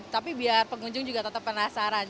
tapi biar pengunjung juga tetap penasaran